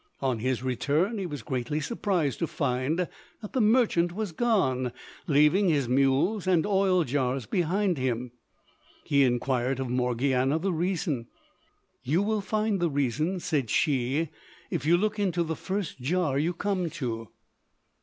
On his return he was greatly surprised to find that the merchant was gone, leaving his mules and oil jars behind him. He inquired of Morgiana the reason. "You will find the reason," said she, "if you look into the first jar you come to."